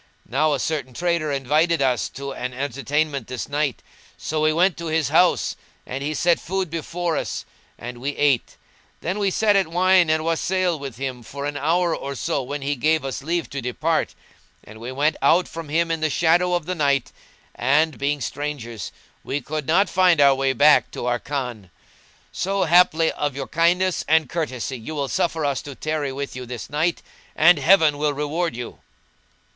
Now a certain trader invited us to an entertainment this night; so we went to his house and he set food before us and we ate: then we sat at wine and wassail with him for an hour or so when he gave us leave to depart; and we went out from him in the shadow of the night and, being strangers, we could not find our way back to our Khan. So haply of your kindness and courtesy you will suffer us to tarry with you this night, and Heaven will reward you!"